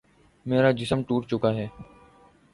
میرا جسم ٹوٹ چکا تھا